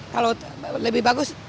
kalau lebih bagus